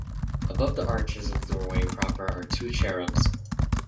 Above the arches of the doorway proper are two cherubs.